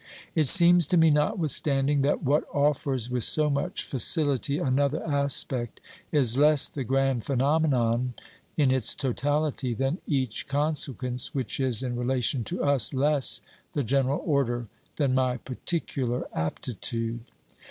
It seems to me, notwithstanding, that what offers with so much facility another aspect is less the grand phenomenon in its totality than each consequence which is in relation to us, less the general order than my particular aptitude.